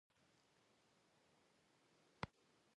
ښکلي ورسره ښکارېدل.